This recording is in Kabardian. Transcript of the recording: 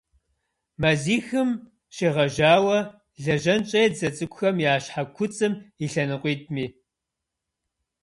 Мазихым щегъэжьауэ лэжьэн щӀедзэ цӏыкӏухэм я щхьэ куцӀым и лъэныкъуитӀми.